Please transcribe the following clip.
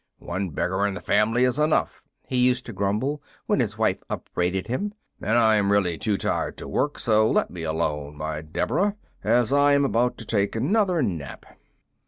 "One beggar in the family is enough," he used to grumble, when his wife upbraided him, "and I am really too tired to work. So let me alone, my Deborah, as I am about to take another nap."